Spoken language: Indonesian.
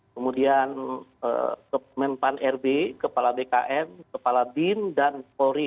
kemudian mempan rb kepala bkn kepala bin dan polri